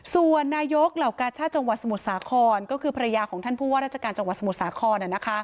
ส่วนนายกเหล่ากาชาติจังหวัดสมุทรสาครก็คือภรรยาของท่านผู้ว่าราชการจังหวัดสมุทรสาคร